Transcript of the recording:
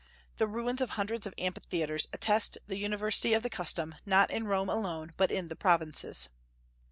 The ruins of hundreds of amphitheatres attest the universality of the custom, not in Rome alone, but in the provinces.